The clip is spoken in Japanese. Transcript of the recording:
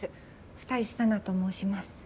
二石紗菜と申します。